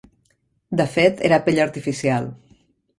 De fet, era pell artificial.